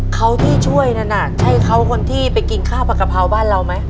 เขาที่ช่วยนั่นน่ะใช่เขาคนที่ไปกินข้าวผัดกะเพราบ้านเราไหม